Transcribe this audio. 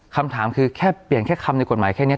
คำถามคือแค่เปลี่ยนแค่คำในกฎหมายแค่นี้